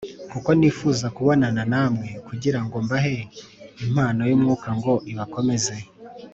kuko nifuza kubonana namwe kugira ngo mbahe impano y’Umwuka ngo ibakomeze